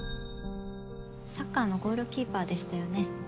サッカーのゴールキーパーでしたよね。